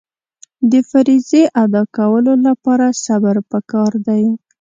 د فریضې ادا کولو لپاره صبر پکار دی.